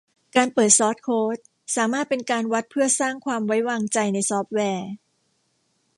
การเปิดซอร์สโค้ดสามารถเป็นการวัดเพื่อสร้างความไว้วางใจในซอฟต์แวร์